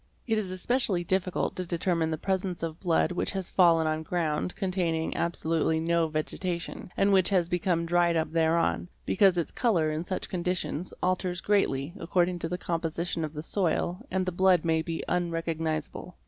It is especially difficult to determine the presence of blood which has fallen on ground containing absolutely no vegetation and which has 'become dried up thereon, because its colour in such conditions alters + greatly according to the composition of the soil and the blood may be unrecognisable.